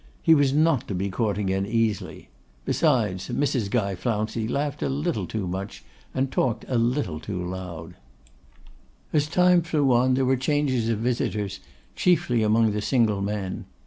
He was not to be caught again easily. Besides, Mrs. Guy Flouncey laughed a little too much, and talked a little too loud. As time flew on, there were changes of visitors, chiefly among the single men.